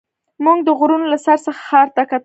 موږ د غرونو له سر څخه ښار ته کتل.